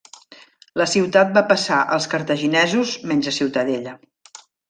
La ciutat va passar als cartaginesos menys la ciutadella.